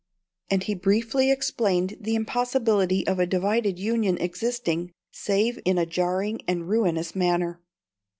And he briefly explained the impossibility of a divided Union existing, save in a jarring and ruinous manner.